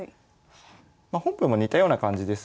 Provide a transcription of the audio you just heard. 本譜も似たような感じですね。